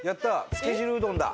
つけ汁うどんだ。